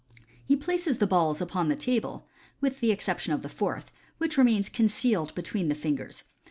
'* He places the balls upon the table, with the exception of the fourth, which remains con cealed between the fingers.